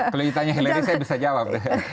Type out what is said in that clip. kalau ditanya hillary saya bisa jawab